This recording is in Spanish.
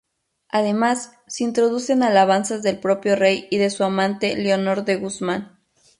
Además, se introducen alabanzas del propio rey y de su amante, Leonor de Guzmán.